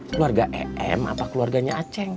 keluarga em apa keluarganya aceh